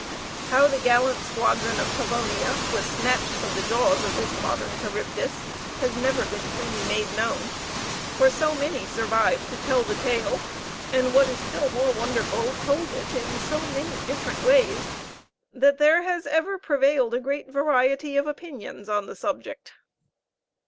How the gallant squadron of Pavonia was snatched from the jaws of this modern Charybdis has never been truly made known, for so many survived to tell the tale, and, what is still more wonderful, told it in so many different ways, that there has ever prevailed a great variety of opinions on the subject.